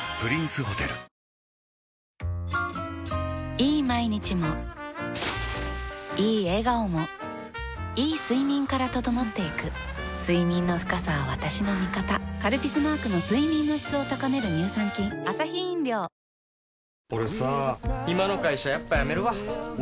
いい毎日もいい笑顔もいい睡眠から整っていく睡眠の深さは私の味方「カルピス」マークの睡眠の質を高める乳酸菌不安定な天気が一転。